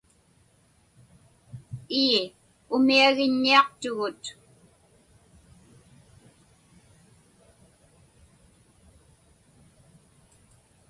Ii, umiagiññiaqtugut.